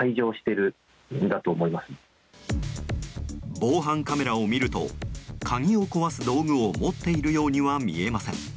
防犯カメラを見ると鍵を壊す道具を持っているようには見えません。